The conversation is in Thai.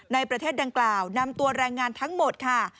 ในประเทศดังกล่าวนำตัวแรงงานทั้งหมดค่ะ